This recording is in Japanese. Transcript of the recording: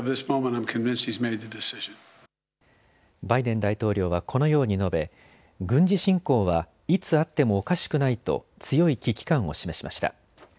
バイデン大統領はこのように述べ軍事侵攻はいつあってもおかしくないと強い危機感を示しました。